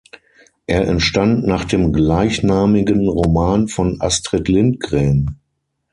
Er entstand nach dem gleichnamigen Roman von Astrid Lindgren.